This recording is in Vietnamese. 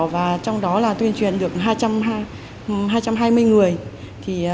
và trong đó là tuyên truyền được hai trăm hai mươi người